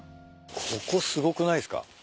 ここすごくないっすか？